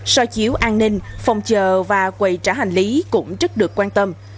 so chiếu an ninh phòng chờ và quầy trả hành lý cũng rất được quan tâm